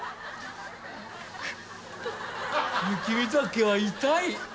雪見酒は痛い。